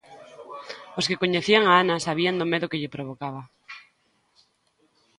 Os que coñecían a Ana sabían do medo que lle provocaba.